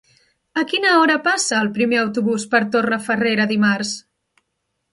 A quina hora passa el primer autobús per Torrefarrera dimarts?